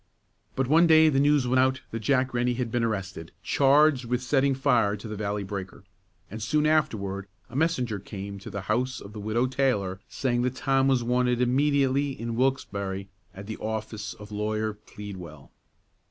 But one day the news went out that Jack Rennie had been arrested, charged with setting fire to the Valley Breaker; and soon afterward a messenger came to the house of the Widow Taylor, saying that Tom was wanted immediately in Wilkesbarre at the office of Lawyer Pleadwell.